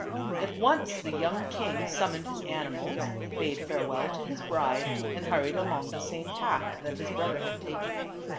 At once the young king summoned his animals, bade farewell to his bride and hurried along the same path that his brother had taken.